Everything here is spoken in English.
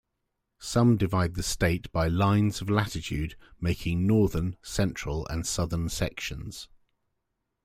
Some divide the state by lines of latitude making northern, central and southern sections.